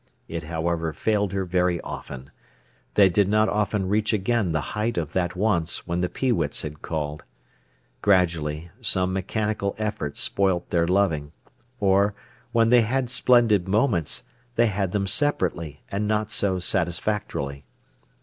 It, however, failed her very often. They did not often reach again the height of that once when the peewits had called. Gradually, some mechanical effort spoilt their loving, or, when they had splendid moments, they had them separately, and not so satisfactorily.